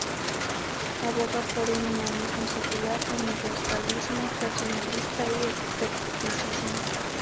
Aboga por un humanismo secular, universalismo racionalista y escepticismo.